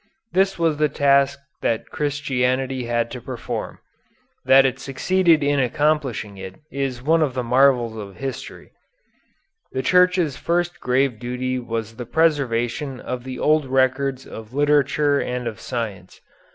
This was the task that Christianity had to perform. That it succeeded in accomplishing it is one of the marvels of history. The Church's first grave duty was the preservation of the old records of literature and of science.